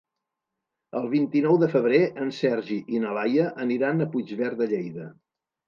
El vint-i-nou de febrer en Sergi i na Laia aniran a Puigverd de Lleida.